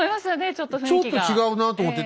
ちょっと違うなと思って。